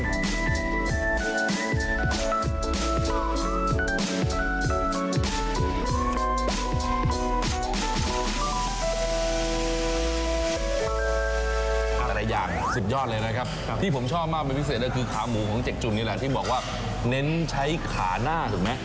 หลายอย่างสุดยอดเลยนะครับที่ผมชอบมากเป็นพิเศษก็คือขาหมูของเจ็กจุ่มนี่แหละที่บอกว่าเน้นใช้ขาหน้าถูกไหม